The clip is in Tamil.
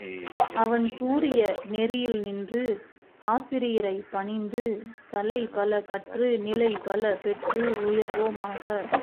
அவன் கூறிய நெறியில் நின்று, ஆசிரியரைப் பணிந்து, கலை பல கற்று, நிலை பல பெற்று உயர்வோமாக!